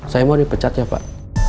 saya mau dipecat ya pak